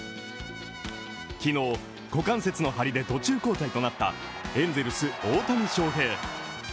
昨日、股関節の張りで途中交代となったエンゼルス・大谷翔平